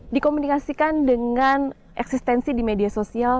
dikomunikasikan dengan eksistensi di media sosial